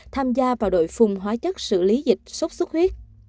tham gia vào đội phung hóa chất xử lý dịch sốt xuất huyết